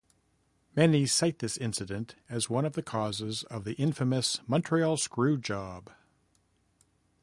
Many cite this incident as one of the causes of the infamous Montreal Screwjob.